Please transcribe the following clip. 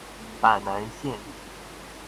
板南線